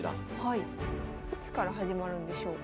いつから始まるんでしょうか。